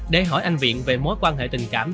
để hỏi anh viện về mối quan hệ tình cảm